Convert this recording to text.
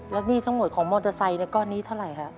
แล้วหนี้ทั้งหมดของมอสไซก้อนหนี้เท่าไรครับ